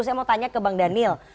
saya mau tanya ke bang daniel